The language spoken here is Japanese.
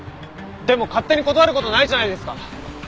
でも勝手に断る事ないじゃないですか！